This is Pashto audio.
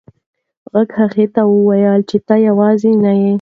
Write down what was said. غږ هغه ته وویل چې ته یوازې نه یې.